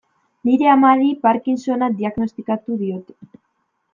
Nire amari Parkinsona diagnostikatu diote.